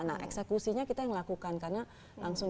nah eksekusinya kita yang lakukan karena langsung